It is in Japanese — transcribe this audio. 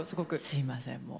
すいませんもう。